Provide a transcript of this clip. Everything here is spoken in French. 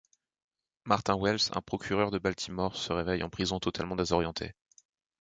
Martin Wells, un procureur de Baltimore, se réveille en prison totalement désorienté.